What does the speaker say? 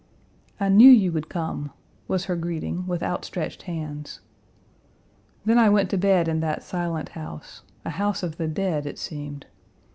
"I knew you would come," was her greeting, with outstretched hands. Then I went to bed in that silent house, a house of the dead it seemed.